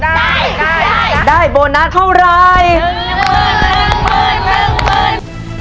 ได้ได้ได้โบนัสเท่าไรหนึ่งหมื่นหนึ่งหมื่นหนึ่งหมื่น